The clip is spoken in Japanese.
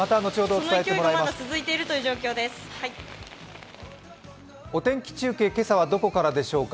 お天気中継、今朝はどこからでしょうか。